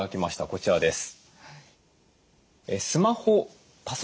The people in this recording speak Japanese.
こちらです。